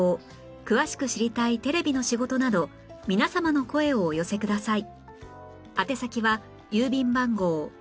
詳しく知りたいテレビの仕事など皆様の声をお寄せください